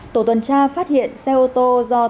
tổ tuần tra phát hiện xe ô tô do tài xế quốc lộ hai mươi hai b